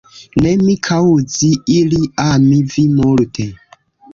Ne, mi kaŭzi ili ami vi multe.